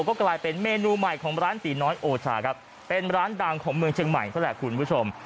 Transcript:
ก็กลายเป็นเมนูใหม่ของร้านตีน้อยโอชาครับเป็นร้านดังของเมืองเชียงใหม่ซะแหละคุณผู้ชม